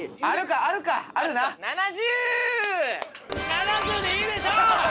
７０でいいでしょう！